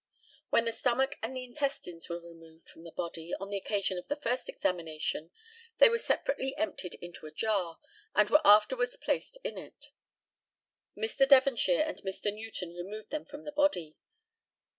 When the stomach and the intestines were removed from the body on the occasion of the first examination they were separately emptied into a jar, and were afterwards placed in it. Mr. Devonshire and Mr. Newton removed them from the body.